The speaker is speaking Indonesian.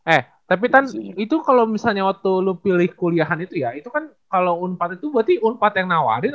eh tapi tan itu kalau misalnya waktu lu pilih kuliahan itu ya itu kan kalau unpad itu berarti unpad yang nawarin